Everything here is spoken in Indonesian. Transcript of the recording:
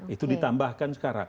itu ditambahkan sekarang